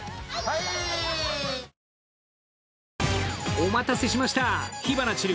お待たせしました火花散る